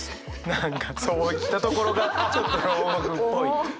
何かそう来たところがちょっと牢獄っぽい。